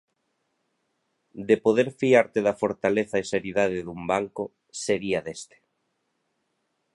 De poder fiarte da fortaleza e seriedade dun banco, sería deste.